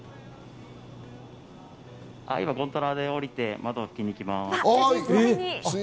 今、ゴンドラで降りて窓を拭きに行きます。